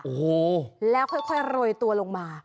โอ้โหแล้วค่อยโรยตัวลงมา